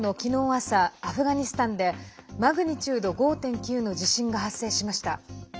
朝アフガニスタンでマグニチュード５．９の地震が発生しました。